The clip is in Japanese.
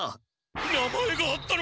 名前があったのか！？